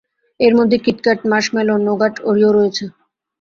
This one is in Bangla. এর মধ্যে কিটক্যাট, মার্শমেলো, নোগাট, ওরিও রয়েছে।